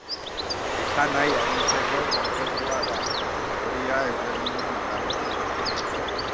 Esanahi anitzeko kontzeptua da, teoria ezberdinen arabera.